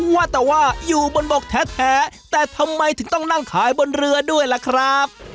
ว่าแต่ว่าอยู่บนบกแท้แต่ทำไมถึงต้องนั่งขายบนเรือด้วยล่ะครับ